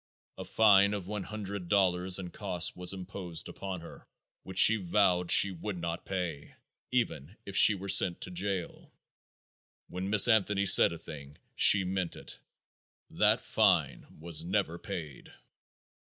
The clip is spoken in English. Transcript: A fine of one hundred dollars and costs was imposed upon her, which she vowed she would not pay, even if she were sent to jail. When Miss Anthony said a thing she meant it. That fine was never paid.